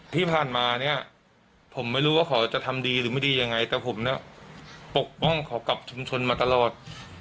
ที่ผ่านมาเนี่ยผมไม่รู้ว่าเขาจะทำดีหรือไม่ดียังไงแต่ผมเนี่ยปกป้องเขากับชุมชนมาตลอด